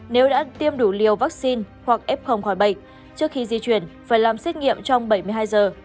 nếu đã tiêm đủ liều vaccine hoặc f khỏi bệnh trước khi di chuyển phải làm xét nghiệm trong bảy mươi hai giờ